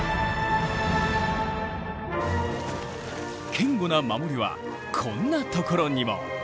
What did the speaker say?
堅固な守りはこんなところにも。